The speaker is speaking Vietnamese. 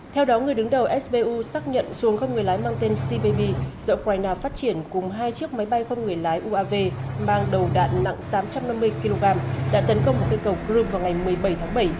theo đó người đứng đầu sbu xác nhận xuồng không người lái mang tên cbb do ukraine phát triển cùng hai chiếc máy bay không người lái uav mang đầu đạn nặng tám trăm năm mươi kg đã tấn công một cây cầu crimea vào ngày một mươi bảy tháng bảy